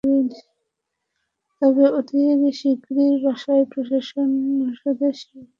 তবে অতি শিগগির ব্যবসায় প্রশাসন অনুষদে শিক্ষা কার্যক্রম চালু করা হবে।